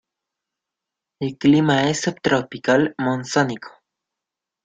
El clima es subtropical monzónico.